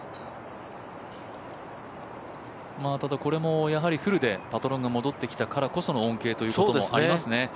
ただ、これもフルでパトロンが戻ってきたからこその恩恵というのもありますね。